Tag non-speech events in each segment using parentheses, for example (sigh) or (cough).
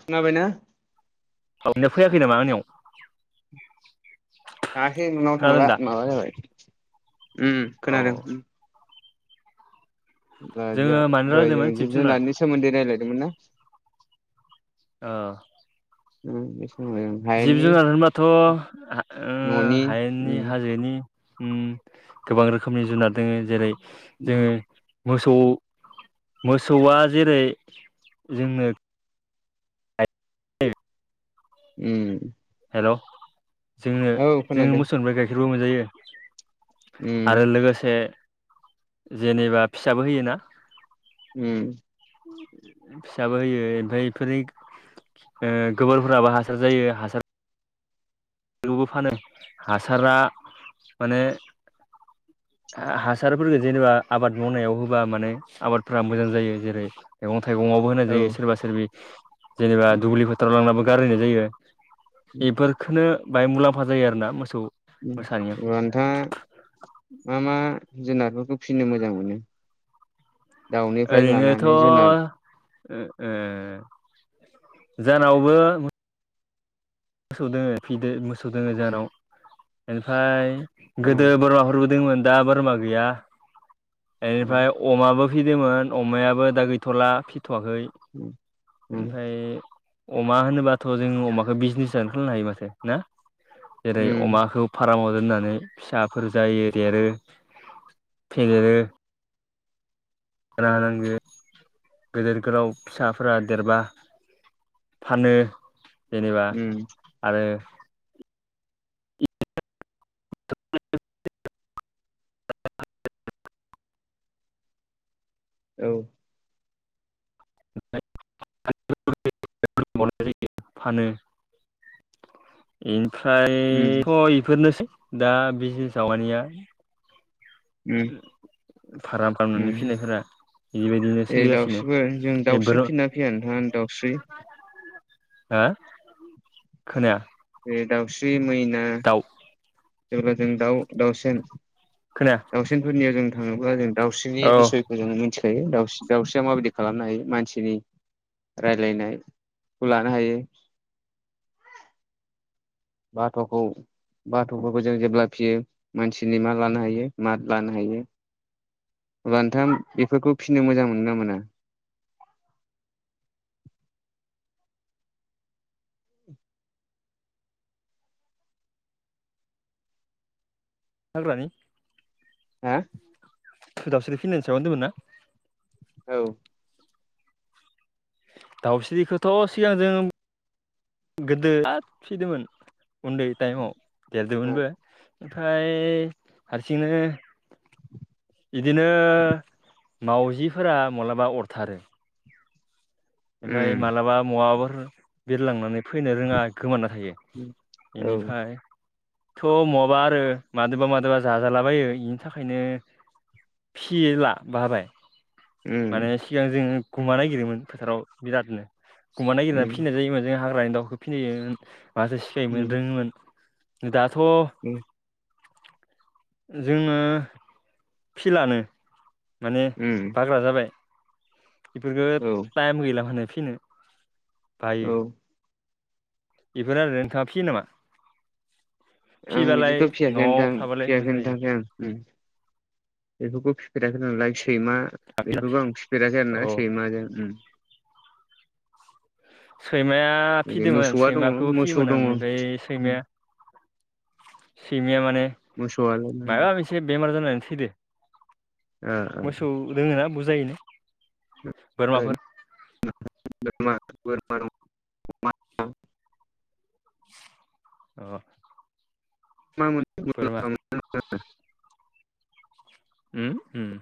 खोनाबायना? ननो फैयाखै नामा आनियाव? थाङाखै नोंनाव थांला माबा जाबाय उम औ खोनादों द जोङो मानो -दहाय जों रायलायदोंमोन जिब जुनार जुनारनि सोमोन्दै रायज्लायदोंमोन ना औ उम समाव जों जिब हायेननि -जुनार होनबाथ' ओ न'नि हायेननि उम हाजोनि गोबां रोखोमनि जुनार दोङो जेरै जोङो उम मोसौ मोसौआ जेरै जोंनो उम हेल' जोङो औ जोंङो खोनादों मोसौनिफ्राय गाइखेरबो मोनजायो उम आरो लोगोसे जेनेबा फिसाबो होयोना उम फिसाबो होयो ओमफ्राय बेफोरनि गोबोरफोराबो हासार जायो हासार बेखौबो फानो हासारा माने हासारफोरफोरखौ जेनेबा आबाद मावनायाव होबा माने आबादफ्रा मोजां जायो जेरै मैगं थाइगङावबो होनाय औ जायो सोरबा सोरबि जेनेबा उम दुब्लि फोथाराव लांनाबो गारहैनाय जायो बेफोरखोनो बाहाय मुलाम्फा जायो आरोना मोसौ ओ मोसानियाव नोंथाङा मा मा? जुनारफोरखौ फिसिनो मोजां मोनो दाउनिफ्राय लानानै जुनार ओरैनोथ' ए जानावबो मोसौ दोङो फिदो मोसौ दोङो जोंहानाव ओमफ्राय उम गोदो बोरमाफोरबो दोंमोन दा बोरमा गैया उम बेनिफ्राय अमाबो फिदोंमोन अमायाबो दा गैथ'ला फिथ'वाखै उम उम ओमफ्राय अमा होनोबाथ' जों अमाखौ बिजनेस जानो खालामनो हायो माथो ना जेरै उम अमाखौ फाराम नानै फिसाफोर जायो देरो फेदेरो ना औ नांग गेदेर गोलाव फिसाफोरा देरबा फानो जेनेबा उम आरो (unintelligible) औ (unintelligible) (unintelligible) नाय जायो फानो फम्रायथ' इफोरनोसै दा बिजनेस आानिया उ फाराम खालामामनानै फिनायफोरा बेबायदिनो ए सोलिगासिनो दाउस्रिबो जों बेफोर दाउस्रि फिनना फैया नोंथाङा दाउस्रि हा खोनाया दावसि्रि मैना दाउ जेब्ला जों दाउ दाउसेन खोनाया दाउसेनफोरनियाव जों थाङोब्ला जों दाउस्रिनि औ बिसयखौ जों मिथिखायो दाउस दाउस्रिया माबायदि खालामनो हायो मानसिनि रायलायनायखौ लानो हायो ज बाथ'खौ बाथ'फोरखौ जों जेब्ला फिसियो मानसिनि मा लानो हायो मा लानो हायो। अब्ला नोंथां बेफोरखौ फिसिनो मोजां मोनो ना मोना? ज हाग्रानि हो थु दाउस्रि फिनायनि सायाव‌ होनदोंमोन ना? औ दाउस्रिखौथ' सिगां जों गोदो फिसिदोंमोन उन्दै टाइमाव देरदोंमोनबो ओमफ्राय हारसिंनो बिदिनो मावजिफोरा माब्लाबा अरथारो ओमफ्राय उम मालाबा महाबाफोर बिरलांनानै फैनो रोङा गोमाना थायो औ बेनिफ्राय थ' माबा आरो मादोबा मादोबा जाजालाबायो बेनि थाखायनो। फिला बाबाय। उम माने सिगां जों गुमा नागिरोमोन फोथाराव बिरादनो गुमा नागिरनानै उम फिसिनाय जायोमोन जों हाग्रानि दाउखौ फिसिनायजायोमोन माथो सिखायोमोन उम रोङोमोन। दाथ' उम जोङो फिलानो माने उम बाग्रा जाबाय औ बेफोरफोरखौ टाइम गैला माने फिनो बायो औ बेफोर आरो नोंथाङा फियो नामा? आं फिबालाय बिदिथ' फियाखै न'आव नोंथां थाबालाय मोजां फियाखैनि जायो आं आं बेफोरखौ फिफेराखै‌ आं लाइट सैमा बेखौबो आं फिफेराखै आरो औ ना सैमाजों ओं सैमाया ओरै फिदोंमोन मोसौआ दङ सैमाखौबो मोसौ फियोमोन आं दङ ओमफ्राय उम सैमाया सैमाया माने मोसौआलाय उम मायाव आं ओ एसे बेमार जानानै थैदो मोसौ दोङोना बुरजायैनो (unintelligible) बोरमा दं‌ अमा दं औ मा (unintelligible) उ उम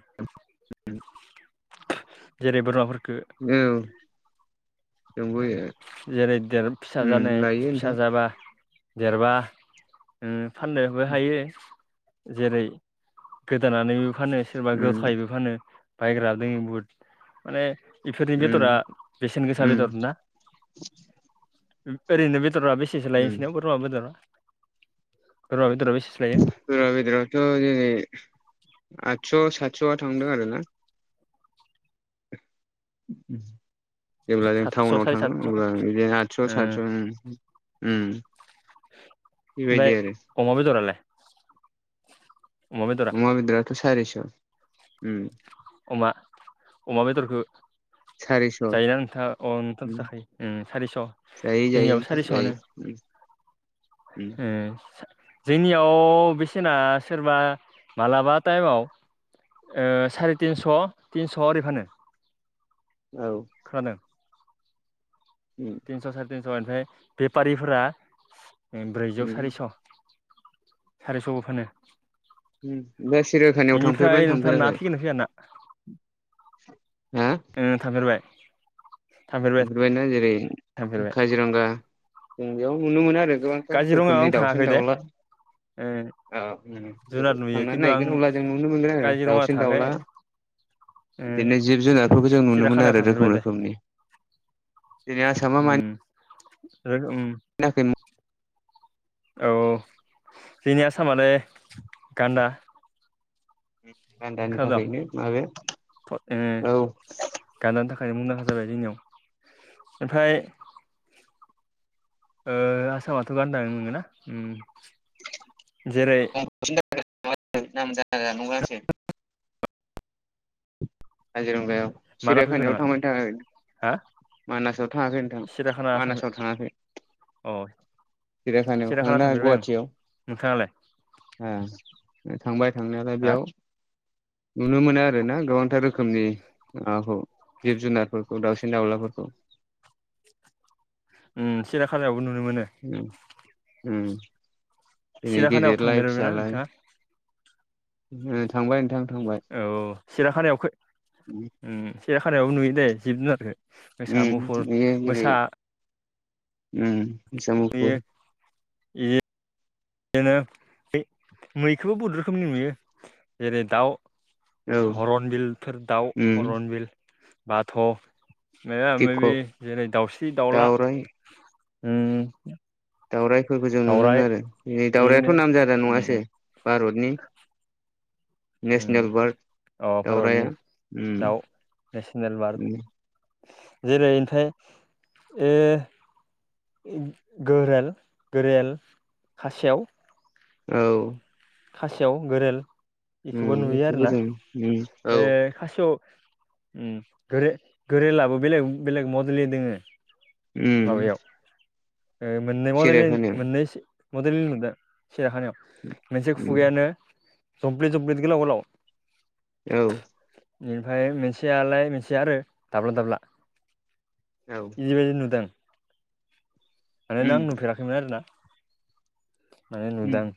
उम जेरै बोरमाफोरखौ औ जोंबो जेरै देर फिसा उम जानाय लायो फिसा नोंथां जाबा देरबा फाननोबो हायो जेरै गोदानानैबो फानो सोरबा उम गथायैबो फानो बायग्रा जोङो बुहुद माने इफोरनि बेदरा उम बेसेन गोसा उम बेदर ना ओरैनो बेदरा बेसेसो लायो उम नोंसोरनियाव बोरमा बेदरा बोरमा बेदरा बे बोरमा बेदरा थ' जोंनियाव आठस' साठ- स'आ थांदों आरो ना उ जेब्ला जों सातस' टाउनाव साराय थाङो सातस' अब्ला आदस' बिदिनो ओ आठस' सातस' उम उम बेबायदि ओमफाय आरो अमा बेदर अमा बेदराथ' सारिस' उम अमा अमा बेदरखौ सारिस' जायोना नोंथाङा अ नोंथांथ' जाखायो सारिस' जोंनियाबो सारिस'आनो उ उम जोंनियाव बिसेना सोरबा मालाबा टाइमाव ओ साराय तिनस' थिनस' ओरै फानो औ खोनादों उम तिनस' साराय तिनस' ओमफ्राय बेफारिफोरा ब्रैजौ उम सारिस' सारायस'बो फानो दा सिरियाखानायाव बेनिफ्राय थांफेरबायाना नोंथाङा ना थांफेराखै फिगोनना फैया ना हा ओं थांफेरबाय थांफेरबाय ना जेरै थांफेरबाय काजिरंगा जों बेयाव नुनो मोनो आरो गोबांथार काजिरङायाव आं रोखोमनि दाउसिन थाङाखै दे दाउला ओ औ नंगौ जुनार जरै नुयो थांनानै खिन्थु आं नायगोन अब्ला जों नुनो मोनगोन काजिरङा दाउसिन थाङाखै दाउला ओ बिदिनो जिब जुनारफोरखौ जों नुनो मोनो सिराखानायाव आरो थांफेरबाय रोखोम दे रोखोमनि दिनै आसाम मानि उम उम थाखाय औ जोंनि आसामालाय गान्दा गान्दानि थाखायनो माबे थ' ओ गान्दानि थाखायनो मुंदांखा जाबाय जोंनियाव ओमफ्राय ओ आसामावथ' गानदा नुनो मोनो ना उम जेरै नामजादा नंगो आसो- (unintelligible) काजिरंगायाव माना फैखो सिरियाखानायावथ' नामा थांबायनो थाखायो हा मानासाव थाङाखै नोंथां मानासाव थाङाखै औ सिरियाखानायाव थांना गुवाहाटियाव नोंथाङालाय ओ थांबाय थांनायालाय हा बेयाव नुनो मोनो आरो ना गोबांथार रोखोमनि माबाखौ जिब जुनारफोरखौ दाउसिन दाउलाफोरखौ उम सिरियाखानायावबो नुनो मोनो उम उम जेरै सिराखानायाव गेदेरलाय थांफेरबायना फिसालाय नोंथाङा ओ थांबाय नोंथां थांबाय औ औ सिराखानायाव खै उम सिराखानायावबो नुयो दै जिब जुनारखो उम मोसा मुफुर बेयो जेरै मोसा उम मोसा मुफुर ए दिनो मै मैखौबो बहुत रोखोमनि नुयो जेरै दाउ औ हर'न बिलफोर दाउ उम हर'न बिल बाथ' मायबा मायबि पिक' जेरै दाउस्रि दाउला दाउराइ उम दाउरायाइफोरखौ जों नुनो दावराइ मोनो आरो जेरै दाउरायथ' बिदिनो नाम जादा उम नङासै भारतनि नेसनेल उम बार्ड अ दाउराया भारतनि उम दाउ नेसनेल बार्द उम जेरै इनथाय ए गोरेल गोरेल खासेव औ खासेव गोरेल इखौबो उम नुयो बेखौबो आरोना जों उम औ ओ खासेव उम गोरेल गोरेलाबो बेलेग बेलेग मडेलनि दोङो उम माबायाव ओ मोननै सेरेब मडेलनि होनो मोननै सि मडेलनि नुदों सिरिखानायाव मोनसे उम खुगायानो जमफ्लिद जमफ्लिद गोलाव गोलाव औ इनिफ्राय मोनसेयालाय मोनसे आरो दाब्ला दाब्ला औ इदिबायदि नुदों उम मानोना आं नुफेराखैमोन आरो ना माने उम नूदों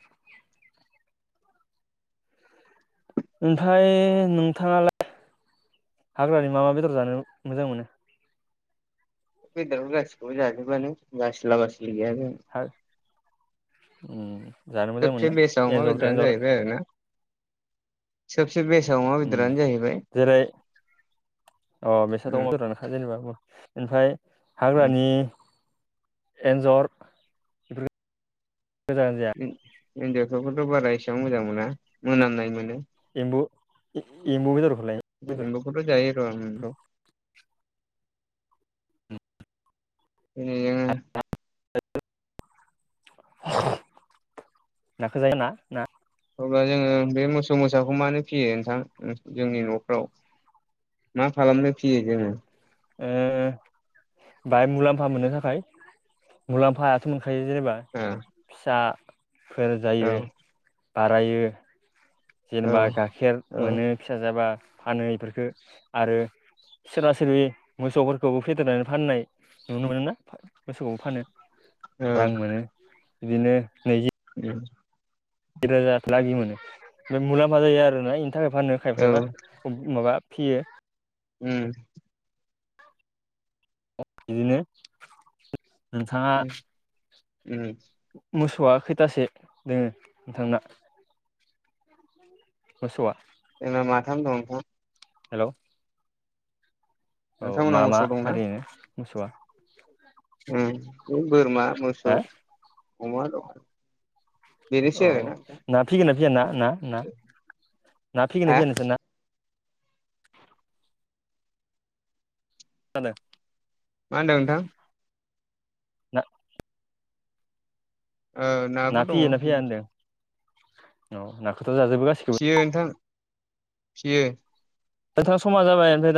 ओमफाय नोंथाङालाय हाग्रानि मा मा बेदर जानो मोजां मोनो बेदरखौ गसिखौबो जाजोबोआनो बासिला बासिलि गैया बेयाव हा उम जानो मोजां मोनो सबसे ना बेसाव अमा एन्जर बेदरानो तेन्जर जाहैबाय आरोना उम जेरै अ बेेसाथ' उम अजुर नखा जेनेबा ओमफ्राय हाग्रानि उम एन्जर बेफोर मोजां जाया (unintelligible) हिनजावफोरखौथ' बारा एसेबां मोजां मोना मोनामनाय मोनो एम्बु एम्ब एम्बु खौथ' जायो र'आङो एयो नाखौ जायो ना ना अब्ला जोङो बे मोसौ मोसाखौ मानो फियो नोंथां ओ जोंनि न'फ्राव मा खालामनो फियो जोंङो ए बाहाय मुलाम्फा मोननो थाखाय मुलाम्फायाथ' आखायो जेनेबा ओ फिसा फोर जायो औ बाराययो औ जेनेबा गाइखेर औ मोनो फिसा जाबा फानो इफोरखौो आरो सोरबा सोरि मोसौफोरखौबो फेदेरनानै फाननाय नुनो मोनो ना मोसौबो फानो औ रां मोनो बिदिनो नै उम द रोजा लागि मोनो बेम मुलाम्फा जायो आरोना इनि थाखाय फाननो खायफा औ खायफा उम माबा फियो उम बिदिनो नोंथाङा उम (unintelligible) उम मोसौआ खैथासो दोङो नोंथांना मोसौआ जोंना माथाम दं हेल' औ मा नोंथांमोननाव मा मोसौ ओरैनो मोसौआ उ बे बोरमा मोसौ हा अमा दं अ बेनोसै आरोना नोंथां ना फिगोना फैय ना ना ना ना फिगोननो फैयानोोंसै ना जानो मा होनदों नोंथां। ना ओ ना नाबो दङ फैयोना फैया होनदों औ नाखौथ' जाजोबो गासिखौबो जयो नोंथां समा जाबाय ओमफ्राय द-